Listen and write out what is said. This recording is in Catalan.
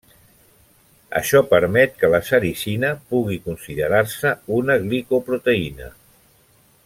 Això permet que la sericina pugui considerar-se una glicoproteïna.